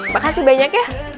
makasih banyak ya